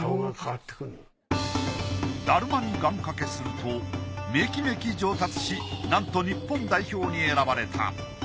達磨に願掛けするとめきめき上達しなんと日本代表に選ばれた。